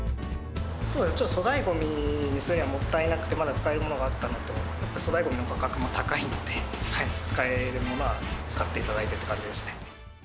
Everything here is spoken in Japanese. ちょっと粗大ごみにするにはもったいなくて、まだ使えるものがあったのと、やっぱ粗大ごみの価格も高いので、使えるものは使っていただいてって感じですね。